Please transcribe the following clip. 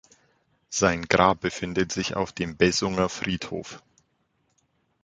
Sein Grab befindet sich auf dem Bessunger Friedhof.